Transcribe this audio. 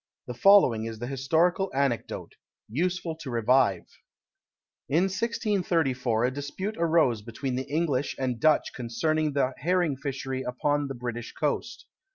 The following is the historical anecdote, useful to revive: In 1634 a dispute arose between the English and Dutch concerning the herring fishery upon the British coast.